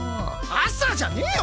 朝じゃねぇよ